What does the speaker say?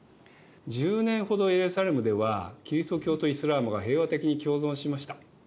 １０年ほどエルサレムではキリスト教とイスラームが平和的に共存しました。